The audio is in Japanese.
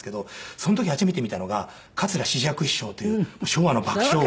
その時初めて見たのが桂枝雀師匠という昭和の爆笑王。